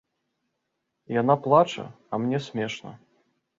Яна плача, а мне смешна.